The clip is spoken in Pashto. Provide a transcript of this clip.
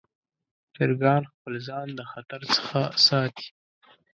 چرګان خپل ځان د خطر څخه ساتي.